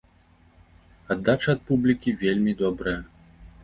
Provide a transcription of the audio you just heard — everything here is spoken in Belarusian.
Аддача ад публікі вельмі добрая.